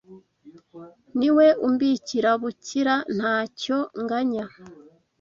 Ni we umbikira bukira ntacyo nganya